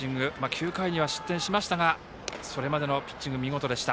９回には失点しましたがそれまでは見事でした。